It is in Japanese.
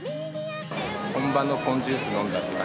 本場のポンジュースを飲んだっていう。